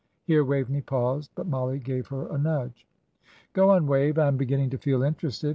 Here Waveney paused, but Mollie gave her a nudge. "Go on, Wave. I am beginning to feel interested.